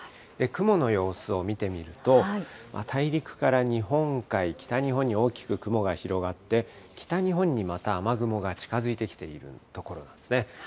雲の様子を見てみると、大陸から日本海、北日本に大きく雲が広がって、北日本にまた雨雲が近づいてきているところなんですね。